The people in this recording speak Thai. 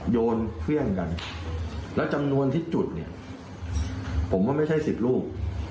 โยนเครื่องกันแล้วจำนวนที่จุดเนี่ยผมว่าไม่ใช่๑๐ลูก